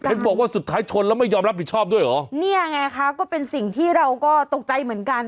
บอกว่าสุดท้ายชนแล้วไม่ยอมรับผิดชอบด้วยเหรอเนี่ยไงคะก็เป็นสิ่งที่เราก็ตกใจเหมือนกัน